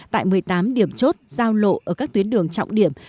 tại một mươi tám điểm chốt giao lộ ở các tuyến đường trọng điểm